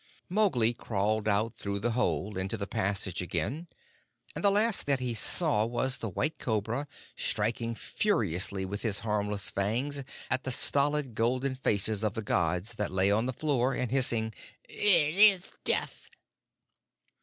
Mowgli crawled out through the hole into the passage again, and the last that he saw was the White Cobra striking furiously with his harmless fangs at the stolid golden faces of the gods that lay on the floor, and hissing, "It is Death!"